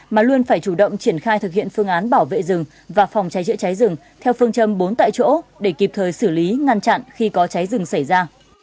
mà luôn phải chủ động triển khai thực hiện phương án bảo vệ rừng và phòng cháy chữa cháy rừng theo phương châm bốn tại chỗ để kịp thời xử lý ngăn chặn khi có cháy rừng xảy ra